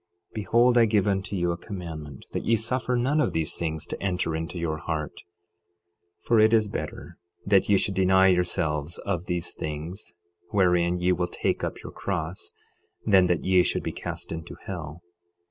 12:29 Behold, I give unto you a commandment, that ye suffer none of these things to enter into your heart; 12:30 For it is better that ye should deny yourselves of these things, wherein ye will take up your cross, than that ye should be cast into hell.